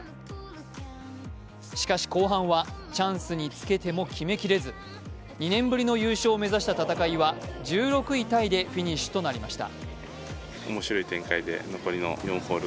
しかし後半は、チャンスにつけても決めきれず、２年ぶりの優勝を目指した戦いは１６位タイでフィニッシュとなりました。